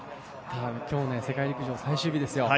世界陸上、最終日ですよ。